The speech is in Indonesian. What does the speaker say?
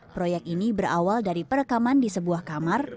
proyek ini berawal dari perekaman di sebuah kamar